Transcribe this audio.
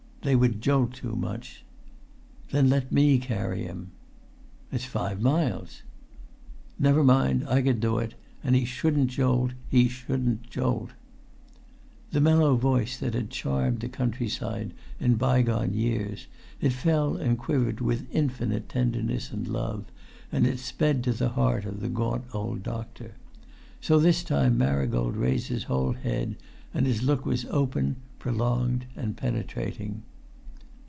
"They would jolt too much." "Then let me carry him." "It's five miles." "Never mind. I could do it. And he shouldn't jolt—he shouldn't jolt!" The mellow voice that had charmed the countryside in bygone years, it fell and quivered with infinite tenderness and love, and it sped to the heart of the gaunt old doctor. So this time Marigold raised his whole head, and his look was open, prolonged, and penetrating.